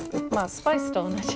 スパイスと同じ。